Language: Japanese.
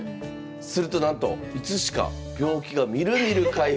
するとなんといつしか病気がみるみる回復。